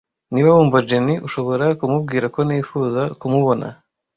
Niba wumva Jenny, ushobora kumubwira ko nifuza kumubona?